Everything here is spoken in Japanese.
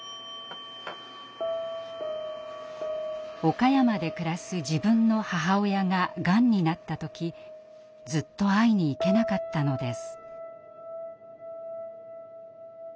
岡山で暮らす自分の母親ががんになった時ずっと会いに行けなかったのです。